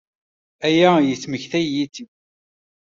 Aya yesmektay-iyi-tt-id.